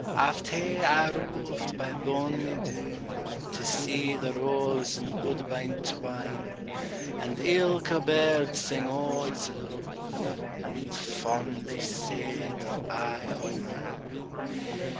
Aft hae I roved by bonnie Doon, To see the rose and woodbine twine; And ilka bird sang o' its luve, And, fondly, sae did I o' mine.